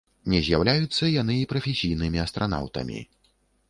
Не з'яўляюцца яны і прафесійнымі астранаўтамі.